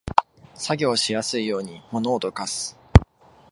作業しやすいように物をどかす